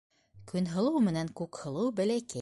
Көнһылыу менән Күкһылыу бәләкәй.